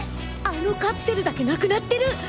あのカプセルだけなくなってる！